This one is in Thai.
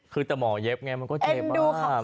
คือแต่หมอเย็บไงมันก็เจ็บมาก